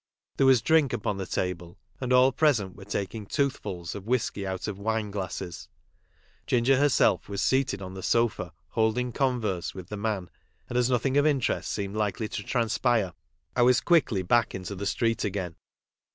There was drink upon the table, and all present were taking « toothf uls " of whisky out of wine glasses. Ginger herself was seated on the sofa holding converse with the man, and as nothing of interest seemed likely to transpire I was quickly back into the street again.